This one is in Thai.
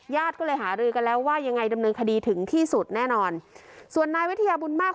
ก็เลยหารือกันแล้วว่ายังไงดำเนินคดีถึงที่สุดแน่นอนส่วนนายวิทยาบุญมาก